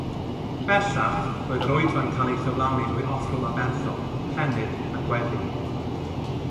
Bellach roedd yr oedfa'n cael ei chyflawni drwy offrwm aberthol, penyd a gweddi.